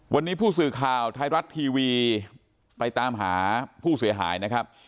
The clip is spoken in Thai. วันนี้ผู้สื่อข่าวไทยรัฐทีวีไปตามหาผู้เสียหายนะครับ